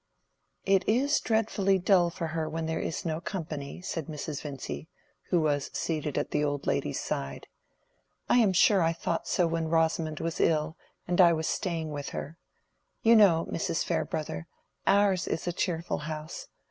"It is dreadfully dull for her when there is no company," said Mrs. Vincy, who was seated at the old lady's side. "I am sure I thought so when Rosamond was ill, and I was staying with her. You know, Mrs. Farebrother, ours is a cheerful house.